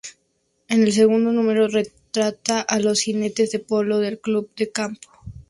En el segundo número retrata a los jinetes de polo del Club de Campo.